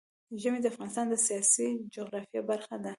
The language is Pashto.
ژمی د افغانستان د سیاسي جغرافیه برخه ده.